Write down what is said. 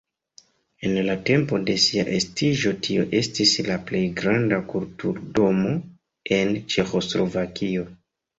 En la tempo de sia estiĝo tio estis la plej granda kulturdomo en Ĉeĥoslovakio.